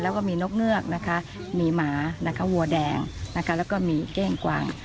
เราก็มีนกเหงือกมีหมาหัวแดงและมีเก้งกวาง